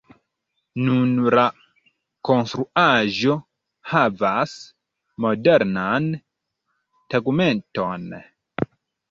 Nun la konstruaĵo havas modernan tegmenton.